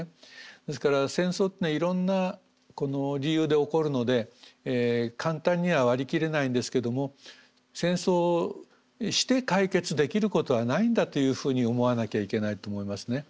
ですから戦争っていうのはいろんな理由で起こるので簡単には割り切れないんですけども戦争をして解決できることはないんだというふうに思わなきゃいけないと思いますね。